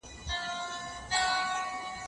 د حق د لېونیو نندارې ته ځي وګري